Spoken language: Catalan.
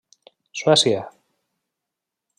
Suècia.